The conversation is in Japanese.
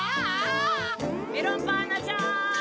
メロンパンナちゃん。